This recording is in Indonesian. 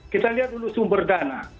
kita lihat dulu sumber dana